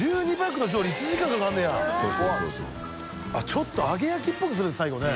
ちょっと揚げ焼きっぽくするんですね最後ね。